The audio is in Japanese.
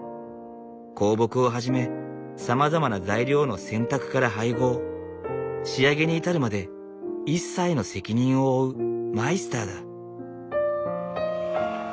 香木をはじめさまざまな材料の選択から配合仕上げに至るまで一切の責任を負うマイスターだ。